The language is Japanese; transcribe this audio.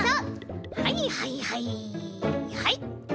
はいはいはいはい。